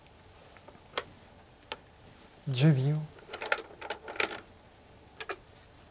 １０秒。